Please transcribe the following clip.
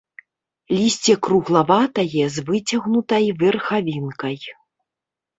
Лісце круглаватае, з выцягнутай верхавінкай.